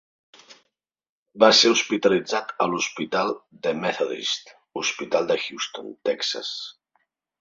Va ser hospitalitzat a l'hospital The Methodist Hospital de Houston, Texas.